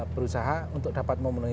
berusaha untuk dapat memenuhi